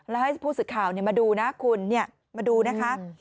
แล้วให้ผู้สื่อข่าวมาดูนะคุณมาดูนะคะ